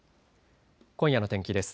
今夜の天気です。